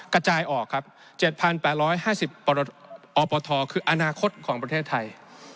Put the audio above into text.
กระจายออกครับ๗๘๕๐อปทคืออนาคตของประเทศไทย